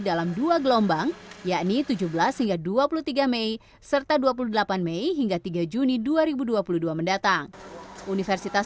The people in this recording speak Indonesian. dalam dua gelombang yakni tujuh belas hingga dua puluh tiga mei serta dua puluh delapan mei hingga tiga juni dua ribu dua puluh dua mendatang universitas